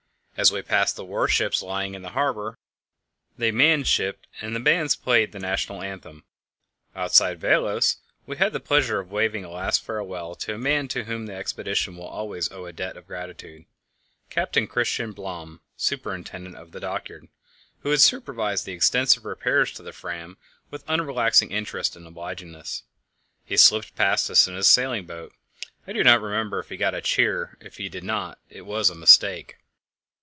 As we passed the warships lying in the harbour they manned ship, and the bands played the National Anthem. Outside Vealös we had the pleasure of waving a last farewell to a man to whom the expedition will always owe a debt of gratitude, Captain Christian Blom, Superintendent of the dockyard, who had supervised the extensive repairs to the Fram with unrelaxing interest and obligingness. He slipped past us in his sailing boat; I do not remember if he got a cheer. If he did not, it was a mistake.